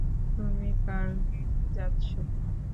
তুমি কার্গিলে যাচ্ছ।